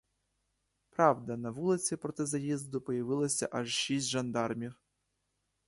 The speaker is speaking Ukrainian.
Правда, на вулиці проти заїзду появилося аж шість жандармів.